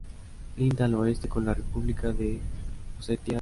Linda al oeste con la república de Osetia del Sur.